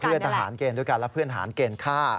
เพื่อนทหารเกณฑ์ด้วยกันและเพื่อนหารเกณฑ์ฆ่า